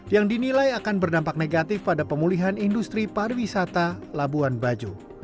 yang dinilai akan berdampak negatif pada pemulihan industri pariwisata labuan bajo